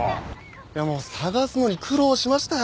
いやもう探すのに苦労しましたよ。